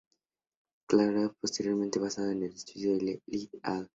Cladograma posterior basado en el estudio de Li "et al.